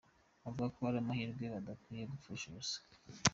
Avuga ko ari amahirwe badakwiye gupfusha ubusa.